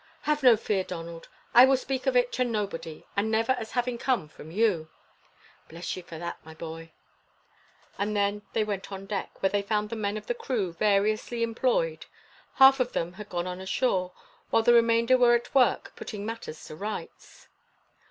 "Have no fear, Donald. I will speak of it to nobody, and never as having come from you." "Bless ye for that, my boy." And then they went on deck, where they found the men of the crew variously employed. Half of them had gone on shore, while the remainder were at work putting matters to rights.